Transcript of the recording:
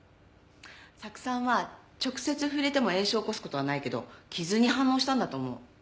酢酸は直接触れても炎症を起こす事はないけど傷に反応したんだと思う。